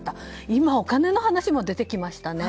今、お金の話も出てきましたね。